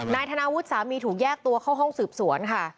นายธนาวุฒิสามีถูกแยกตัวเข้าห้องสืบสวนค่ะ